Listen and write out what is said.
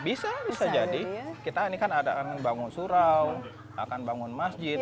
bisa bisa jadi kita ini kan ada akan bangun surau akan bangun masjid